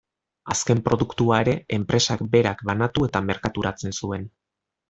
Azken produktua ere enpresak berak banatu eta merkaturatzen zuen.